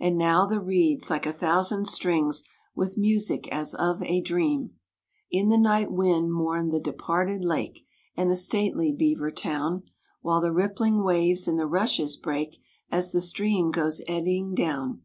And now the reeds, like a thousand strings, With music as of a dream, In the night wind mourn the departed lake And the stately beaver town, While the rippling waves in the rushes break, As the stream goes eddying down.